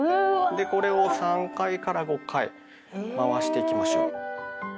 でこれを３５回まわしていきましょう。